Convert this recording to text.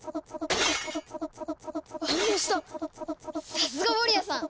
さすがフォリアさん！